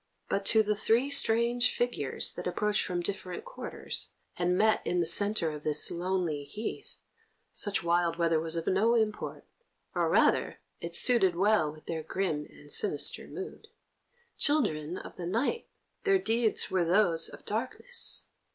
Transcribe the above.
But to the three strange figures that approached from different quarters, and met in the centre of this lonely heath, such wild weather was of no import, or, rather, it suited well with their grim and sinister mood. Children of the night, their deeds were those of darkness.